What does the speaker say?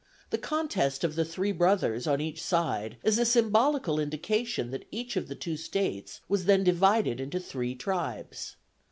The contest of the three brothers on each side is a symbolical indication that each of the two states was then divided into three tribes.